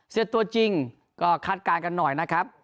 เสียตัวจริงก็คาดการณ์กันหน่อยนะครับ